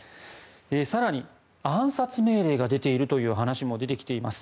更に、暗殺命令が出ているという話も出てきています。